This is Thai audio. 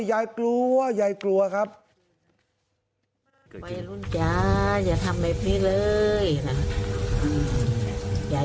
ยายกลัวยายกลัวครับไปรุ่นจ้าอย่าทำแบบนี้เลยนะฮะ